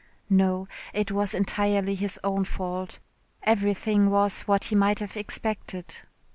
No, it was entirely his own fault. Everything was what he might have expected.